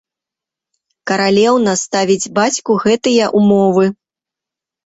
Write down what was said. Каралеўна ставіць бацьку гэтыя ўмовы.